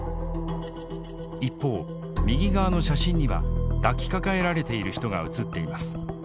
一方右側の写真には抱きかかえられている人が写っています。